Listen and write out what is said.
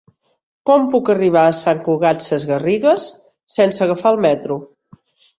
Com puc arribar a Sant Cugat Sesgarrigues sense agafar el metro?